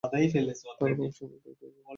তারা ভাবছে আমি ভয় পেয়ে যাবো।